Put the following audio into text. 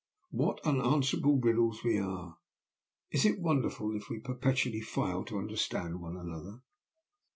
What unanswerable riddles we are! Is it wonderful if we perpetually fail to understand one another?"